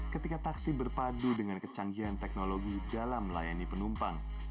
ketika taksi berpadu dengan kecanggihan teknologi dalam melayani penumpang